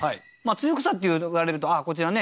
露草っていわれるとこちらね